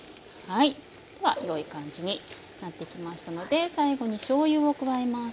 ではよい感じになってきましたので最後にしょうゆを加えます。